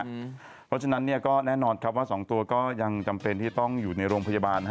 เพราะฉะนั้นก็แน่นอนครับว่า๒ตัวก็ยังจำเป็นที่ต้องอยู่ในโรงพยาบาล